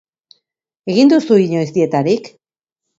Egin duzu inoiz dietarik?